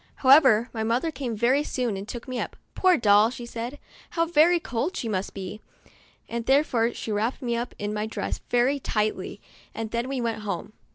However, my mother came very soon and took me up. " Poor doll," said she, " how very cold she must be," and therefore she wrapped me up in my dress very tightly, 12 MEMOIRS OF A and then we went home.